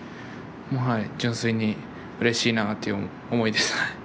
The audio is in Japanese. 純粋にうれしいなという思いです。